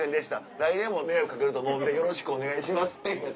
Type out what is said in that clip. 来年も迷惑掛けると思うんでよろしくお願いします」ってやつ。